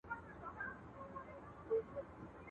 د هسکو غرونو درې ډکي کړلې.